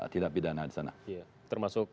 tidak pidana di sana termasuk